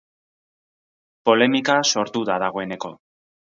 Polemika sortu da dagoeneko.